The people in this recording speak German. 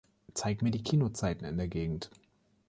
zeig mir die Kinozeiten in der Gegend